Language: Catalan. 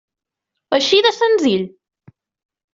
Així de senzill.